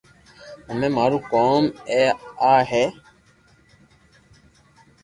ھمي مارو ڪوم اي آ ھي